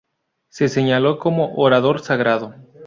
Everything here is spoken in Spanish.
Se señaló como orador sagrado.